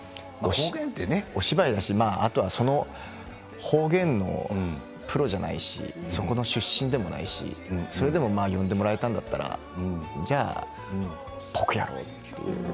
お芝居だし、あとはその方言のプロじゃないしそこの出身でもないし、それでも呼んでもらえたんだったらじゃあ、っぽくやろうって。